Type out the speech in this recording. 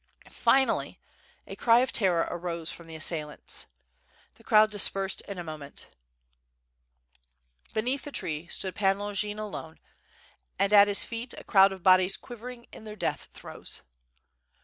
Finally a cry of terror arose from the as sailants. The crowd dispersed in a moment. Beneath the tree stood Pan Longin alone, and at his feet a crowd of bodies quivering in their death throes.